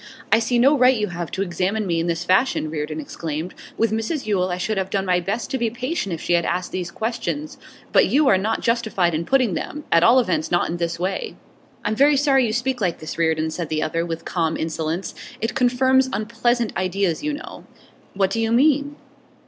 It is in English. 'I see no right you have to examine me in this fashion,' Reardon exclaimed. 'With Mrs Yule I should have done my best to be patient if she had asked these questions; but you are not justified in putting them, at all events not in this way.' 'I'm very sorry you speak like this, Reardon,' said the other, with calm insolence. 'It confirms unpleasant ideas, you know.' 'What do you mean?